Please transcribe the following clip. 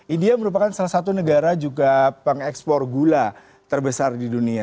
india merupakan salah satu negara juga pengekspor gula terbesar di dunia